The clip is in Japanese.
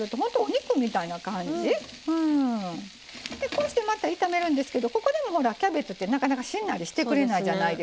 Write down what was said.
こうしてまた炒めるんですけどここでもほらキャベツってなかなかしんなりしてくれないじゃないですか。